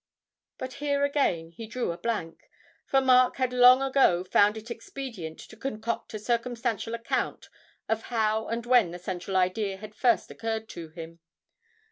But here again he drew a blank, for Mark had long ago found it expedient to concoct a circumstantial account of how and when the central idea had first occurred to him.